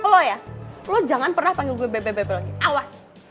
lo ya lo jangan pernah panggil gue bebe bebe lagi awas